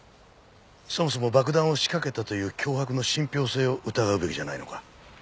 そもそも爆弾を仕掛けたという脅迫の信憑性を疑うべきじゃないのか？